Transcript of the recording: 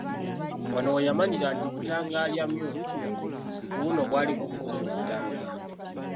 Wano we yamanyira nti bukyanga alya myungu, ku luno bwali bufuuse butanga.